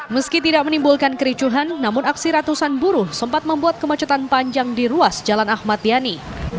meski tidak menimbulkan kericuhan namun aksi ratusan buruh sempat membuat kemacetan panjang di ruas jalan ahmad yani